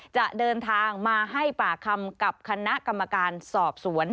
จะเดินทางมาให้ปากคำกับคณะกรรมการสอบสวน